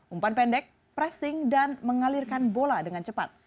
umpan pendek pressing dan mengalirkan bola dengan cepat